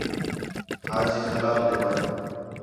حاجی جلال ݙے وَن٘ڄ